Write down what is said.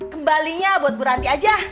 kembalinya buat bu ranti aja